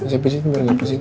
saya pijetin biar gak pusing